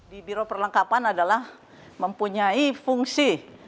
di biro perlengkapan adalah mempunyai fungsi